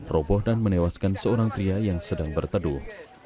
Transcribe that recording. roboh dan menewaskan seorang pria yang sedang berteduh